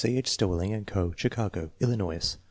Stoelting & Co., Chicago, Illinois.